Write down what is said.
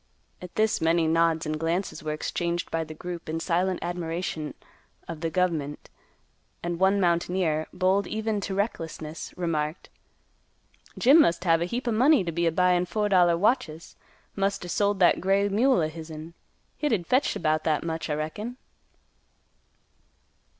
At this many nods and glances were exchanged by the group in silent admiration of the "gov'ment," and one mountaineer, bold even to recklessness, remarked, "Jim must have a heap o' money t' be a buyin' four dollar watches. Must er sold that gray mule o' hisn; hit'd fetch 'bout that much, I reckon."